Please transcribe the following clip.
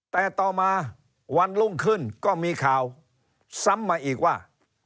แต่ต่อมาวันรุ่งขึ้นก็มีข่าวซ้ำมาอีกว่า